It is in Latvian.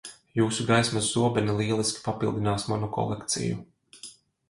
Jūsu gaismas zobeni lieliski papildinās manu kolekciju.